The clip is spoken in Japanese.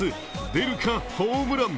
出るか、ホームラン。